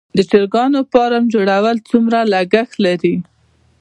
د چرګانو فارم جوړول څومره لګښت لري؟